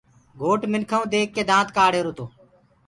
گھوٽ منکآئو ديک ڪي دآنت ڪآڙهيرو تو